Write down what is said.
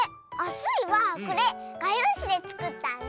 スイはこれ！がようしでつくったんだ。